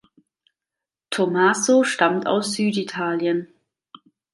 Tommaso stammt aus Süditalien.